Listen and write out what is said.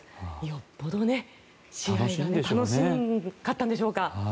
よほど試合が楽しかったんでしょうか。